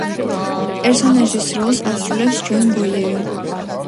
პერსონაჟის როლს ასრულებს ჯონ ბოიეგა.